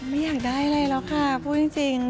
ไม่อยากได้อะไรหรอกค่ะพูดจริง